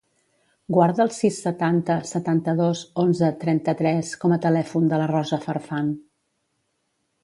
Guarda el sis, setanta, setanta-dos, onze, trenta-tres com a telèfon de la Rosa Farfan.